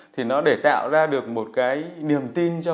thì nó để tạo ra được một cái niềm tin cho cộng đồng nước